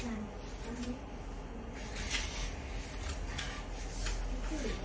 ไม่รู้สึก